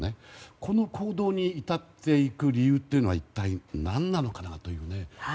この行動に至っていく理由というのは一体何なのかなというふうに。